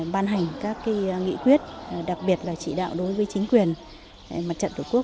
ban hành các nghị quyết đặc biệt là chỉ đạo đối với chính quyền mặt trận tổ quốc